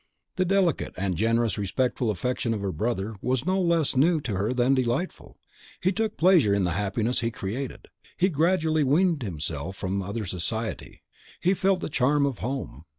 The delicate and generous and respectful affection of her brother was no less new to her than delightful. He took pleasure in the happiness he created; he gradually weaned himself from other society; he felt the charm of home.